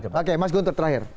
oke mas guntur terakhir